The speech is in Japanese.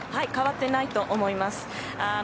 変わってないと思います。